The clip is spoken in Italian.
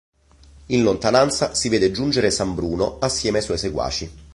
In lontananza si vede giungere San Bruno assieme ai suoi seguaci.